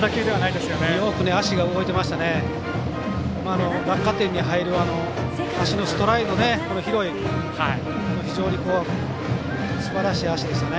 落下点に入る足のストライド、広い非常にすばらしい足でしたね。